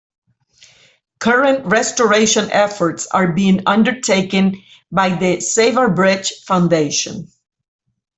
Current restoration efforts are being undertaken by the 'Save our Bridge Foundation.